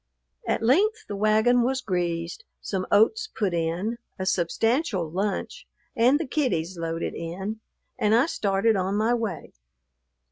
At length the wagon was greased, some oats put in, a substantial lunch and the kiddies loaded in, and I started on my way.